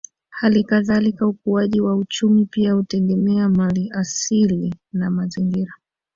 Hali kadhalika ukuaji wa uchumi pia hutegemea maliasili na mazingira